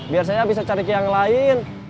biar saya bisa cari ke yang lain